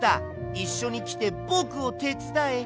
いっしょにきてぼくをてつだえ！